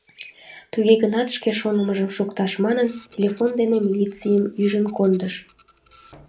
Туге гынат шке шонымыжым шукташ манын, телефон дене милицийым ӱжын кондыш.